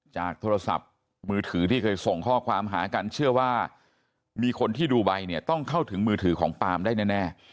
โทรศัพท์มือถือที่เคยส่งข้อความหากันเชื่อว่ามีคนที่ดูใบเนี่ยต้องเข้าถึงมือถือของปาล์มได้แน่